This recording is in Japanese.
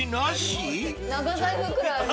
長財布くらいある。